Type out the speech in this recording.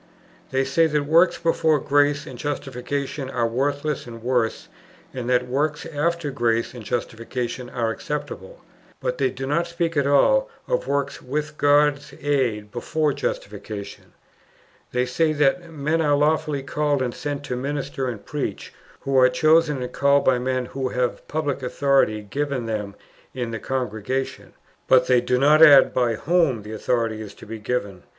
They say that works before grace and justification are worthless and worse, and that works after grace and justification are acceptable, but they do not speak at all of works with God's aid before justification. They say that men are lawfully called and sent to minister and preach, who are chosen and called by men who have public authority given them in the Congregation; but they do not add by whom the authority is to be given.